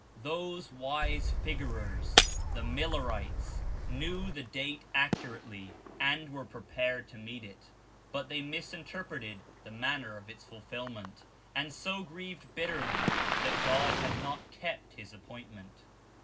3<^ Those wise figurers, the ''Millerites," knew the date accurately and were prepared to meet it, but they misinterpreted the manner of its fulfilment, and so grieved bitterly that God had not kept his appoint ment.